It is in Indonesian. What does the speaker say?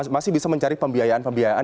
masih bisa mencari pembiayaan pembiayaan